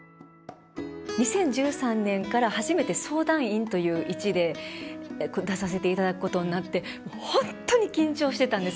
２０１３年から初めて相談員という位置で出させて頂くことになってもうほんとに緊張してたんです。